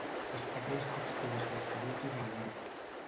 Destaca les textures dels cabells i de la barba.